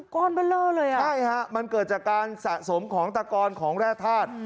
ก้อนเบอร์เลอร์เลยอ่ะใช่ฮะมันเกิดจากการสะสมของตะกอนของแร่ธาตุ